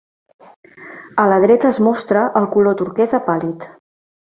A la dreta es mostra el color turquesa pàl·lid.